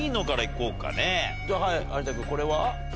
じゃあはい有田君これは？